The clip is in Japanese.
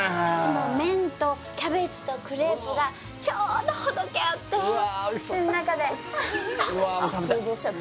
麺とキャベツとクレープがちょうどほどけあって口の中でおいしそううわ